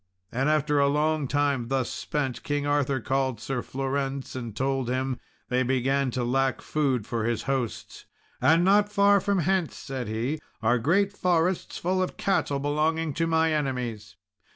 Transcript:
And after a long time thus spent, King Arthur called Sir Florence, and told him they began to lack food for his hosts "And not far from hence," said he, "are great forests full of cattle belonging to my enemies.